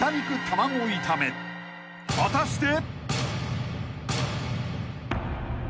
［果たして］